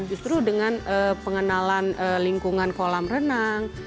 justru dengan pengenalan lingkungan kolam renang